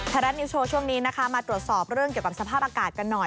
รัฐนิวโชว์ช่วงนี้นะคะมาตรวจสอบเรื่องเกี่ยวกับสภาพอากาศกันหน่อย